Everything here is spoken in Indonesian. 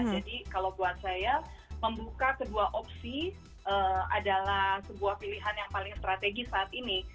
jadi kalau buat saya membuka kedua opsi adalah sebuah pilihan yang paling strategis saat ini